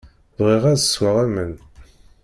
Bɣiɣ ad sweɣ aman.